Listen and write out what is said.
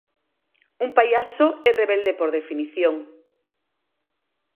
Un pallaso é rebelde por definición.